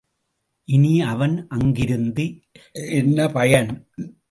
இனி அவன் அங்கிருந்து என்ன பயன்?